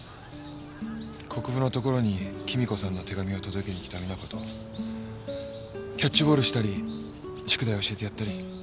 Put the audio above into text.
国府のところに貴美子さんの手紙を届けに来た実那子とキャッチボールしたり宿題を教えてやったり。